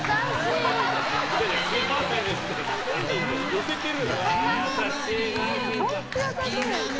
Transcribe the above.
寄せてる。